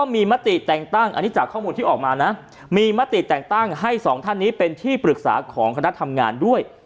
มีมติแต่งตั้งให้๒ท่านนี้เป็นที่ปรึกษาของคณะทำงานด้วย